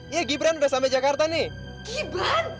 ya gibran udah sampai jakarta nih gibran